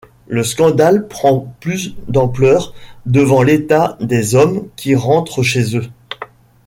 Le scandale prend plus d'ampleur, devant l’état des hommes qui rentrent chez eux.